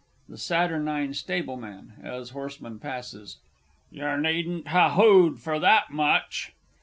THE SATURNINE STABLEMAN (as horseman passes). Yer needn't ha' "Hoo'd" for that much!